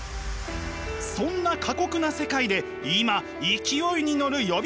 そんな過酷な世界で今勢いに乗る予備校講師がいる。